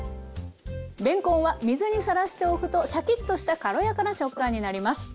れんこんは水にさらしておくとシャキッとした軽やかな食感になります。